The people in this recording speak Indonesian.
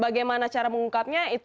bagaimana cara mengungkapnya